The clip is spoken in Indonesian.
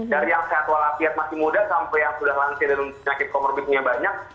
dari yang sehat walafiat masih muda sampai yang sudah lansia dan penyakit komorbidnya banyak